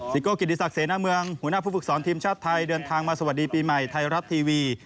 โก้กิติศักดิเสนาเมืองหัวหน้าผู้ฝึกสอนทีมชาติไทยเดินทางมาสวัสดีปีใหม่ไทยรัฐทีวี